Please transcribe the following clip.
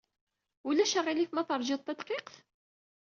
Ulac aɣilif ma teṛjiḍ tadqiqt?